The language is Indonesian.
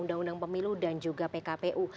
undang undang pemilu dan juga pkpu